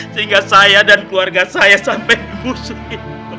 sehingga saya dan keluarga saya sampai musuh